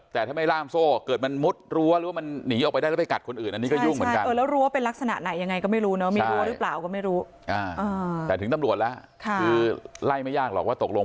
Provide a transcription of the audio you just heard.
แต่ถ้าไม่ล่ามโซ่เกิดมันมุดรั้วหรือ